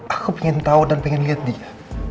aku ingin tahu dan pengen lihat dia